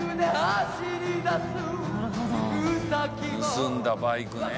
「盗んだバイク」ね。